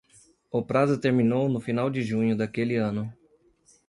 O prazo terminou no final de junho daquele ano.